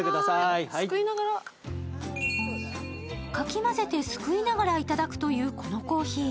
かき混ぜてすくいながらいただくというこのコーヒー。